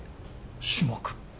種目。